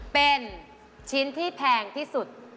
เป็นชิ้นที่แพงที่สุด